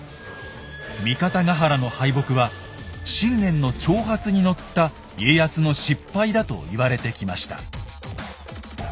三方ヶ原の敗北は信玄の挑発に乗った家康の失敗だと言われてきました。